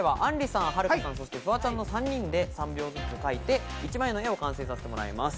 今回は、あんりさん、はるかさん、フワちゃんの３人で、３秒ずつ描いて一枚の絵を完成させてもらいます。